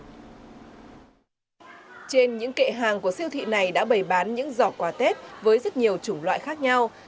trên những kệ hàng của siêu thị này đã bày bán những giỏ quà tết với rất nhiều chủng loại khác nhau